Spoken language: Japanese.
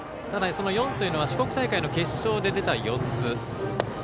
その４というのは四国大会の決勝で出た４つ。